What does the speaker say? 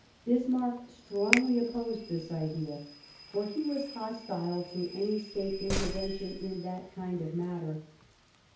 Bismarck strongly opposed this idea, for he was hostile to any State intervention in that kind of matter.